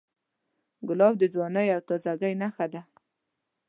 ګلاب د ځوانۍ او تازهګۍ نښه ده.